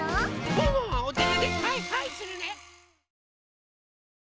ワンワンはおててではいはいするね！